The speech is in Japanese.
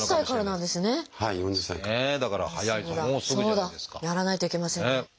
やらないといけませんね。